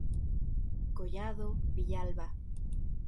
Collado Villalba.